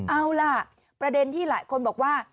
เอาล่ะประเด็นที่หลายคนบอกว่า